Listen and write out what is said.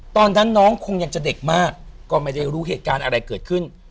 ตอนนั้นน้องคงยังจะเด็กมากก็ไม่ได้รู้เหตุการณ์อะไรเกิดขึ้น